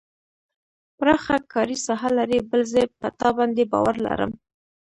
پراخه کاري ساحه لري بل زه په تا باندې باور لرم.